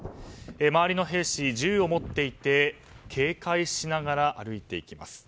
周りの兵士、銃を持っていて警戒しながら歩いていきます。